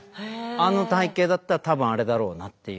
あの体形だったら多分あれだろうなっていう。